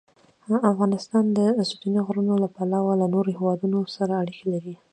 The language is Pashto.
افغانستان د ستوني غرونه له پلوه له نورو هېوادونو سره اړیکې لري.